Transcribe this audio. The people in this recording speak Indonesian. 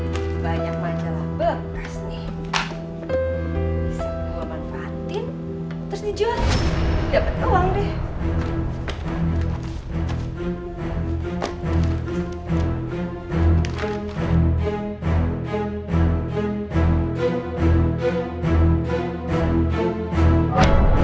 bisa gue manfaatin terus dijual dapat uang deh